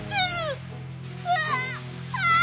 うわっあ